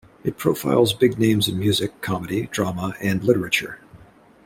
It profiles big names in music, comedy, drama, and literature.